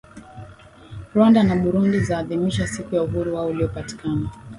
Rwanda na Burundi za adhimisha siku ya uhuru wao uliopatikana